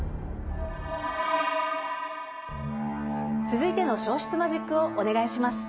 続いての消失マジックをお願いします。